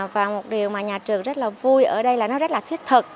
và một điều mà nhà trường rất là vui ở đây là nó rất là thiết thực